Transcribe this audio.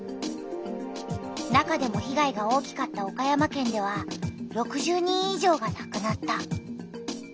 中でも被害が大きかった岡山県では６０人い上がなくなった。